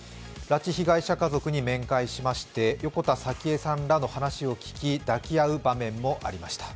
拉致被害者家族に面会しまして、横田早紀江さんらに面会し、抱き合う場面もありました。